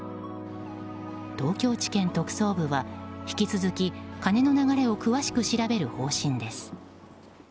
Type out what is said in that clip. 東京地検特捜部は引き続き金の流れを詳しく調べる方針です。